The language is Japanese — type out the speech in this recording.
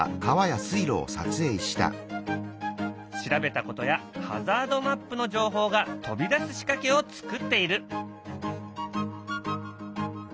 調べたことやハザードマップの情報が飛び出す仕掛けを作っている。